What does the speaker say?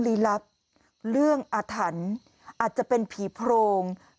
รีรับเรื่องอธรรมอาจจะเป็นผีโพรงหรือ